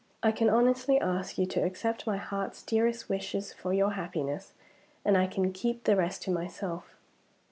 I can honestly ask you to accept my heart's dearest wishes for your happiness and I can keep the rest to myself.